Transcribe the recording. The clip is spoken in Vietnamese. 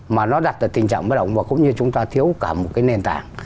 mà nó đặt ở tình trạng bất động và cũng như chúng ta thiếu cả một cái nền tảng